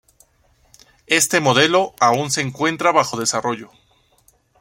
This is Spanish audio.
Este modelo aún se encuentra bajo desarrollo.